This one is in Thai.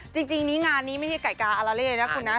จริงนี้งานนี้ไม่ใช่ไก่กาอาลาเล่นะคุณนะ